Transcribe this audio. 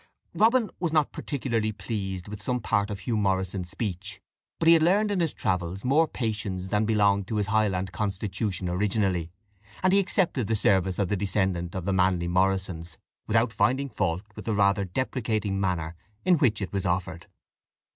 Robin was not particularly pleased with some part of Hugh Morrison's speech; but he had learned in his travels more patience than belonged to his Highland constitution originally, and he accepted the service of the descendant of the Manly Morrisons, without finding fault with the rather depreciating manner in which it was offered.